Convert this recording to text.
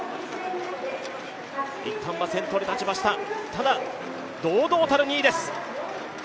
一旦は先頭に立ちました、ただ堂々たる２位です。